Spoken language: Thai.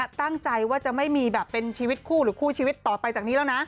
ตั้งใจว่าจะไม่มีแบบเป็นชีวิตคู่หรือคู่ชีวิตต่อไปจากนี้แล้วนะ